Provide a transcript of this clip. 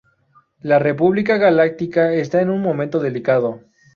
La República Galáctica está en un momento delicado.